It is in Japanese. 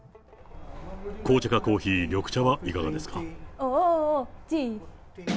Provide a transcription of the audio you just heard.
紅茶かコーヒー、緑茶はいかがですか？